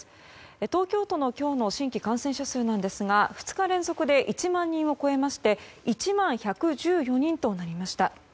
東京都の今日の新規感染者数なんですが２日連続で１万人を超えまして１万１１４人となりました。